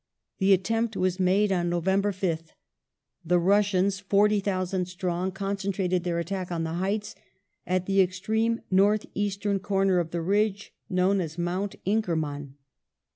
The attempt was made on November 5th. The Russians, 40,000 strong, concentrated their attack on the heights, at the extreme north eastern comer of the ridge, known as Mount Inkerman.